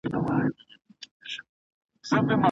په لاس خط لیکل خام معلومات په پخه پوهه بدلوي.